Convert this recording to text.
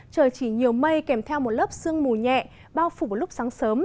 trời chỉ nhiều mây kèm theo một lớp sương mù nhẹ bao phủ vào lúc sáng sớm